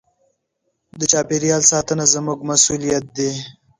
د چاپېریال ساتنه زموږ مسوولیت دی.